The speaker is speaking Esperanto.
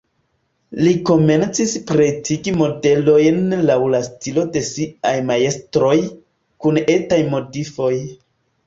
Li komencis pretigi modelojn laŭ la stilo de siaj majstroj, kun etaj modifoj.